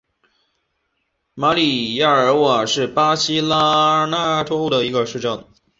马里亚尔瓦是巴西巴拉那州的一个市镇。